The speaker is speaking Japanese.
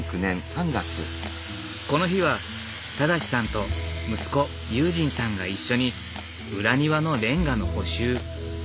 この日は正さんと息子悠仁さんが一緒に裏庭のレンガの補修。